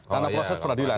karena proses peradilan